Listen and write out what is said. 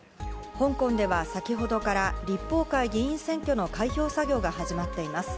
香港では先ほどから立法会議員選挙の開票作業が始まっています。